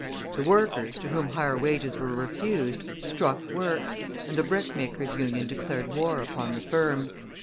The workers, to whom higher wages were refused, struck work, and the Brickmakers' Union declared war upon the firm.